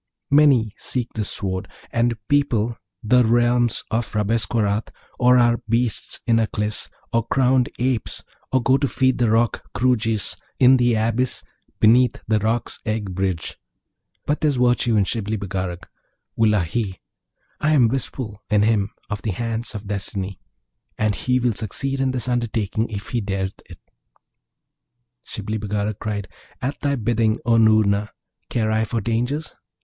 Many seek this Sword, and people the realms of Rabesqurat, or are beasts in Aklis, or crowned Apes, or go to feed the Roc, Kroojis, in the abyss beneath the Roc's egg bridge; but there's virtue in Shibli Bagarag: wullahy! I am wistful in him of the hand of Destiny, and he will succeed in this undertaking if he dareth it.' Shibli Bagarag cried, 'At thy bidding, O Noorna! Care I for dangers?